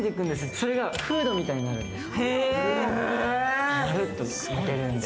それがフードみたいになるんです。